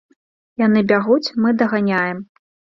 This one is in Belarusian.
Яны бягуць, мы даганяем.